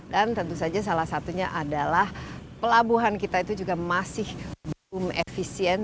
dan tentu saja salah satunya adalah pelabuhan kita itu juga masih belum efisien